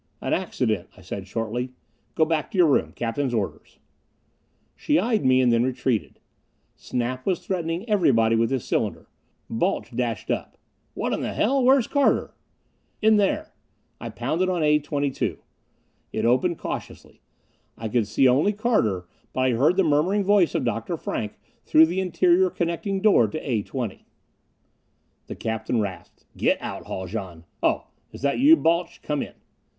"An accident," I said shortly. "Go back to your room. Captain's orders." She eyed me and then retreated. Snap was threatening everybody with his cylinder. Balch dashed up. "What in the hell? Where's Carter?" "In there." I pounded on A 22. It opened cautiously. I could see only Carter, but I heard the murmuring voice of Dr. Frank through the interior connecting door to A 20. The captain rasped, "Get out, Haljan! Oh, is that you, Balch? Come in."